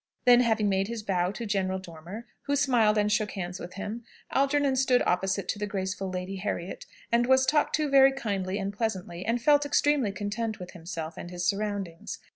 Then, having made his bow to General Dormer, who smiled and shook hands with him, Algernon stood opposite to the graceful Lady Harriet, and was talked to very kindly and pleasantly, and felt extremely content with himself and his surroundings.